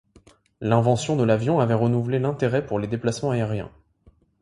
L'invention de l'avion avait renouvelé l'intérêt pour les déplacements aériens.